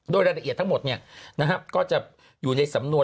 โดยรายละเอียดทั้งหมดก็จะอยู่ในสำนวน